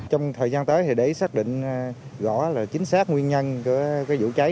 trong thời gian tới thì để xác định rõ là chính xác nguyên nhân của vụ cháy